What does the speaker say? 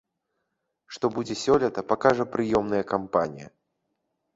Што будзе сёлета, пакажа прыёмная кампанія.